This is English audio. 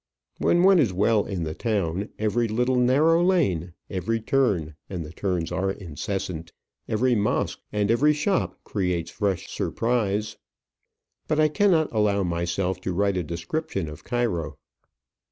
When one is well in the town, every little narrow lane, every turn and the turns are incessant every mosque and every shop creates fresh surprise. But I cannot allow myself to write a description of Cairo.